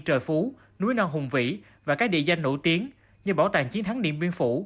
trời phú núi non hùng vĩ và các địa danh nổi tiếng như bảo tàng chiến thắng điện biên phủ